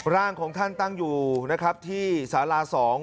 ร่างของท่านตั้งอยู่นะครับที่สารา๒